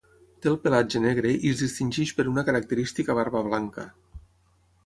Té el pelatge negre i es distingeix per una característica barba blanca.